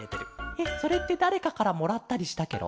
えっそれってだれかからもらったりしたケロ？